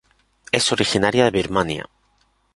Es originaria de Birmania.